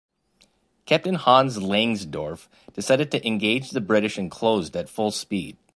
Captain Hans Langsdorff decided to engage the British and closed at full speed.